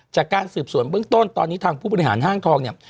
จากการสืบสวนเบื้องต้นตอนนี้ทางผู้บริหารห้างทองเนี่ย